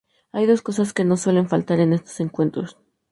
Hay dos cosas que no suelen faltar en estos encuentros.